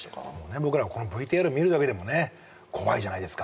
僕らはこのＶＴＲを見るだけでも怖いじゃないですか。